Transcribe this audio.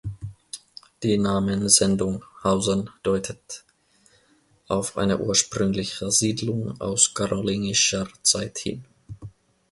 Die Namensendung -hausen deutet auf eine ursprüngliche Siedlung aus karolingischer Zeit hin.